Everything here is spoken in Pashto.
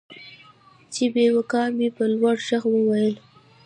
چې بېواكه مې په لوړ ږغ وويل.